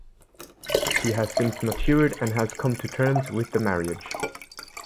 He has since matured and has come to terms with the marriage.